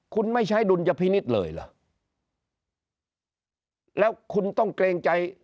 คุณไม่ใช้ดุลยพินิษฐ์เลยเหรอแล้วคุณต้องเกรงใจ